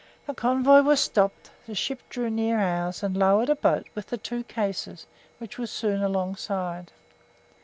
The convoy was stopped; the ship drew near ours, and lowered a boat with the two cases, which was soon alongside.